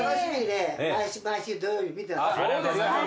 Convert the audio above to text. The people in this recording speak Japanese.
ありがとうございます。